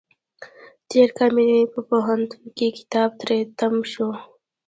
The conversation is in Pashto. تېر کال مې په پوهنتون کې کتاب تری تم شو.